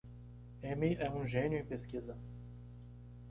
Amy é um gênio em pesquisa.